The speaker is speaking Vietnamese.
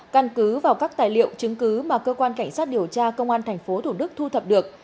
căn cứ vào các tài liệu chứng cứ mà cơ quan cảnh sát điều tra công an tp thủ đức thu thập được